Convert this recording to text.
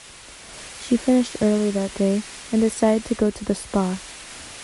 She finished early that day, and decided to go to the spa.